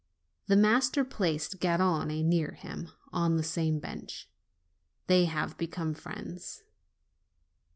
The master placed Garrone near him, on the same bench. They have become friends.